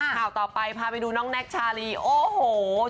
ข่าวต่อไปพาไปดูน้องแน็กชาลีโอ้โห